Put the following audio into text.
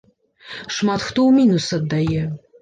Шмат хто ў мінус аддае.